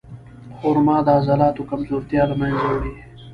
خرما د عضلاتو کمزورتیا له منځه وړي.